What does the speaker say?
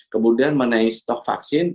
kemudian mengenai stok vaksin